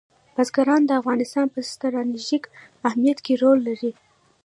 بزګان د افغانستان په ستراتیژیک اهمیت کې رول لري.